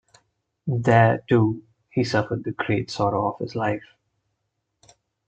There, too, he suffered the great sorrow of his life.